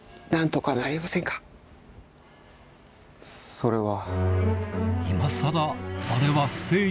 それは。